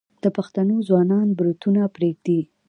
د پښتنو ځوانان بروتونه پریږدي.